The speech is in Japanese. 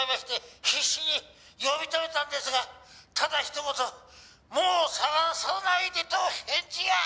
「必死に呼び止めたんですがただひと言“もう捜さないで”と返事が」